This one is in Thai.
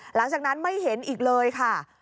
หลังจากนั้นไม่เห็นอีกเลยค่ะ